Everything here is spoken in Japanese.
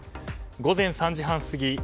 午前３時半過ぎ